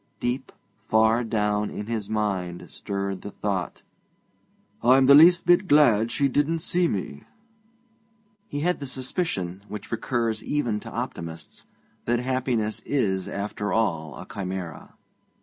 Deep, far down, in his mind stirred the thought: 'I'm just the least bit glad she didn't see me.' He had the suspicion, which recurs even to optimists, that happiness is after all a chimera.